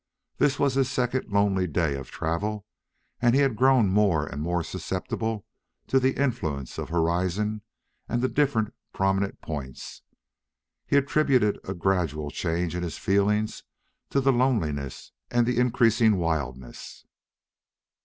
This was his second lonely day of travel and he had grown more and more susceptible to the influence of horizon and the different prominent points. He attributed a gradual change in his feelings to the loneliness and the increasing wildness.